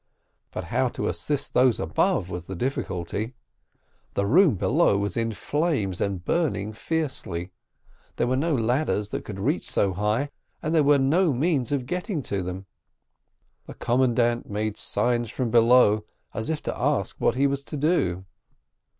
But how to assist those above was the difficulty. The room below was in flames, and burning fiercely. There were no ladders that could reach so high, and there were no means of getting to them. The commandant made signs from below, as if to ask what he was to do.